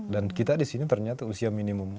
dan kita di sini ternyata usia minimum